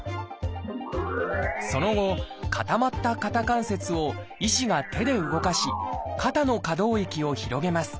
その後固まった肩関節を医師が手で動かし肩の可動域を広げます。